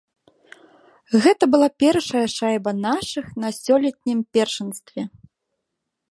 Гэта была першая шайба нашых на сёлетнім першынстве.